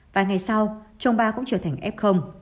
vài ngày sau chồng bà cũng trở thành f